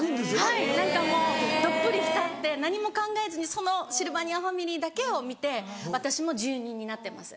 はい何かもうどっぷり浸って何も考えずにそのシルバニアファミリーだけを見て私も住人になってます